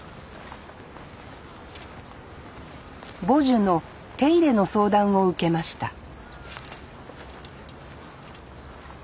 母樹の手入れの相談を受けました